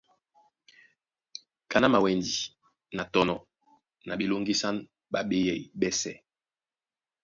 Kaná mawɛndi na tɔnɔ na ɓelóŋgísán ɓá beyɛy ɓɛ́sɛ̄.